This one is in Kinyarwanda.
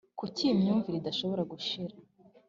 kuki iyi myumvire idashobora gushira